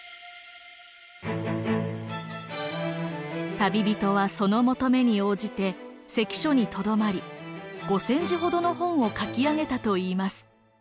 旅人はその求めに応じて関所にとどまり５，０００字ほどの本を書き上げたといいます。